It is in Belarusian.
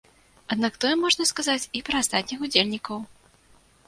Аднак тое можна сказаць і пра астатніх удзельнікаў.